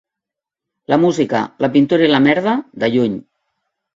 La música, la pintura i la merda, de lluny.